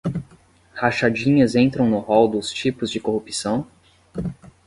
Rachadinhas entram no rol dos tipos de corrupção?